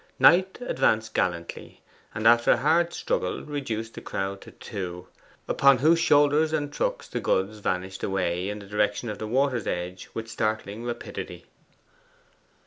Knight advanced gallantly, and after a hard struggle reduced the crowd to two, upon whose shoulders and trucks the goods vanished away in the direction of the water's edge with startling rapidity.